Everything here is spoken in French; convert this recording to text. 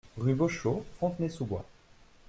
Rue Boschot, Fontenay-sous-Bois